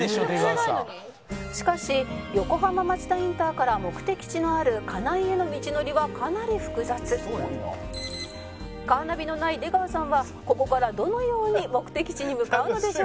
「しかし横浜町田インターから目的地のある金井への道のりはかなり複雑」「カーナビのない出川さんはここからどのように目的地に向かうのでしょうか？」